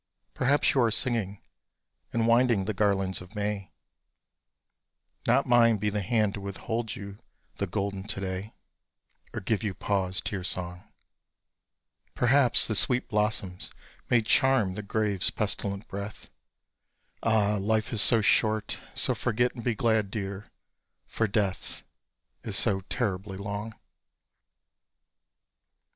Perhaps you are singing and winding the garlands of May; Not mine be the hand to withhold you the golden to day, Or give you pause to your song. Perhaps the sweet blossoms may charm the grave's pestilent breath. Ah! life is so short; so forget and be glad, dear for death Is so terribly long.